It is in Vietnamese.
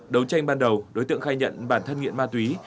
đấu tranh ban đầu đối tượng khai nhận bản thân nghiện ma túy